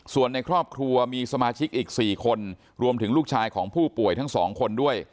ส่วนในครอบครัวมีสมาชิกอีก๔คนรวมถึงลูกชายของผู้ป่วยทั้งสองคนด้วย